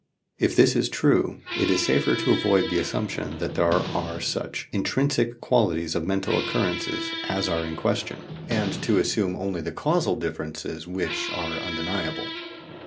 If this is true, it is safer to avoid the assumption that there are such intrinsic qualities of mental occurrences as are in question, and to assume only the causal differences which are undeniable.